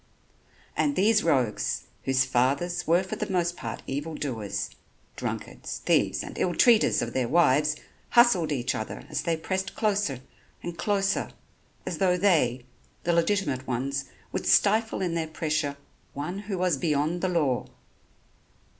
And these rogues, whose fathers were for the most part evil doers, drunkards, thieves and ill treaters of their wives, hustled each other as they pressed closer and closer, as though they, the legitimate ones, would stifle in their pressure one who was beyond the law.